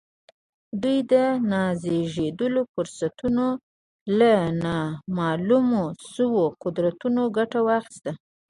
دوی د نازېږېدلو فرصتونو له ناملموسو قدرتونو ګټه واخيسته.